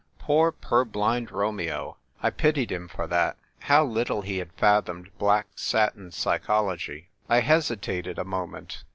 Poor purblind Romeo ! I pitied him for that. How little had he fathomed black satin psychology ! I hesitated a moment.